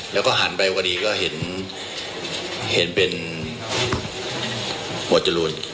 แล้วก็หันไปพอดีก็เห็นเป็นหมวดจรูน